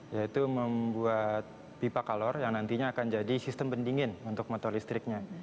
yaitu membuat pipa kalor yang nantinya akan jadi sistem pendingin untuk motor listriknya